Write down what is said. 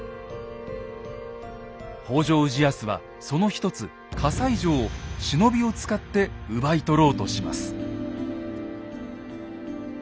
北条氏康はその一つ西城を忍びを使って奪い取ろうとします。